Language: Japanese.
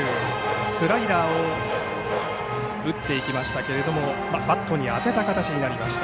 スライダーを打っていきましたけれどもバットに当てた形になりました。